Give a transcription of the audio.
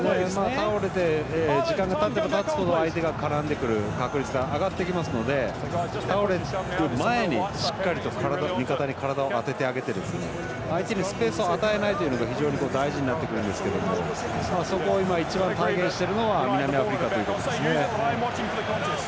倒れて時間がたてばたつほど相手が絡んでくる確率が上がってきますので倒れる前に、しっかりと味方に体を当ててあげて相手にスペースを与えないというのが非常に大事になってくるんですけどそこを今、一番体現してるのは南アフリカということですね。